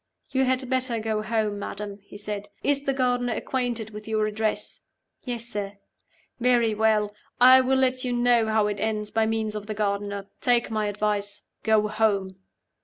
"You had better go home, madam," he said. "Is the gardener acquainted with your address?" "Yes, sir." "Very well. I will let you know how it ends by means of the gardener. Take my advice. Go home."